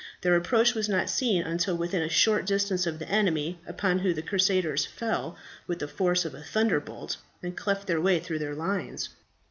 Their approach was not seen until within a short distance of the enemy, upon whom the crusaders fell with the force of a thunderbolt, and cleft their way through their lines.